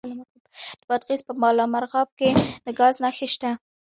د بادغیس په بالامرغاب کې د ګاز نښې شته.